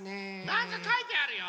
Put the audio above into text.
なんかかいてあるよ！